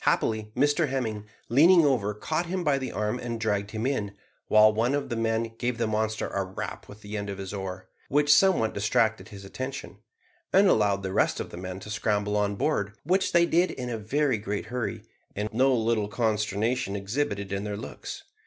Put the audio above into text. Happily Mr Hemming, leaning over, caught him by the arm and dragged him in, while one of the men gave the monster a rap with the end of his oar, which somewhat distracted his attention, and allowed the rest of the men to scramble on board, which they did in a very great hurry, and no little consternation exhibited in their looks.